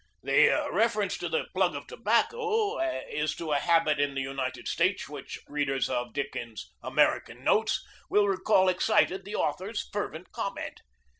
The reference to the plug of tobacco is to a habit in the United States which readers of Dickens's "American Notes" will recall excited the author's fervent comment.